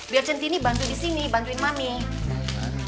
biar centini bantu di sini bantuin maming